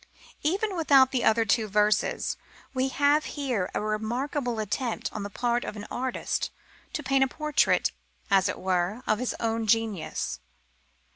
Even without the two other verses, we have here a remarkable attempt on the part of an artist to paint a portrait, as it were, of his own genius.